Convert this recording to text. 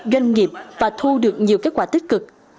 doanh nghiệp và thu được nhiều kết quả tích cực